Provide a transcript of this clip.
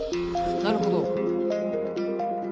なるほど。